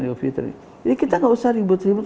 di ibu fitri jadi kita enggak usah ribut ribut